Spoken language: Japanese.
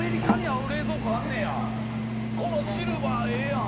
このシルバーええやん。